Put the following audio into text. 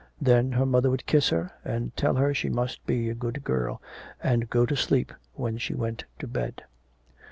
Then her mother would kiss her, and tell her she must be a good girl, and go to sleep when she went to bed.